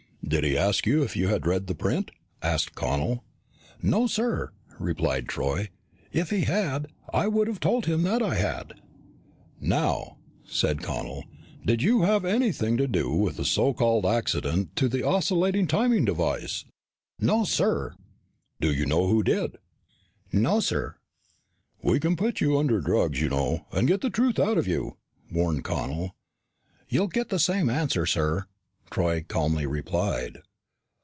"Did he ask you if you had read the print?" asked Connel. "No, sir," replied Troy. "If he had, I would have told him that I had." "Now," said Connel, "did you have anything to do with the so called accident to the oscillating timing device?" "No, sir." "Do you know who did?" "No, sir." "We can put you under drugs, you know, and get the truth out of you," warned Connel. "You'll get the same answer, sir," Troy calmly replied.